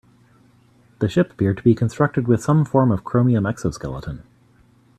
The ship appeared to be constructed with some form of chromium exoskeleton.